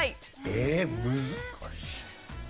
えーっ難しい。